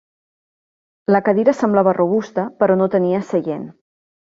La cadira semblava robusta però no tenia seient.